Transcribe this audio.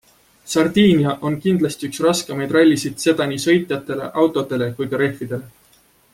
Sardiinia on kindlasti üks raskemaid rallisid, seda nii sõitjatele, autodele kui ka rehvidele.